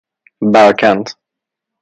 برکند